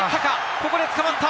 ここで捕まった！